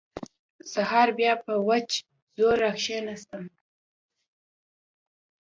سهار بيا په وچ زور راکښېناستم.